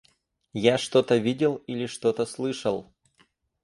Я что-то видел или что-то слышал...